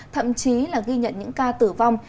thậm chí là ghi nhận những ca tử vong